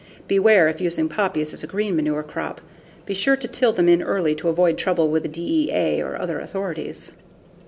Beware if using poppies as a green manure crop: be sure to till them in early to avoid trouble with the DEA or other authorities.